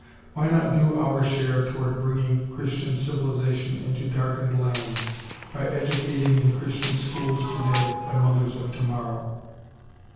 Why not do our share toward bringing Christian civilization into darkened lands by educating in Christian schools today the mothers of tomorrow?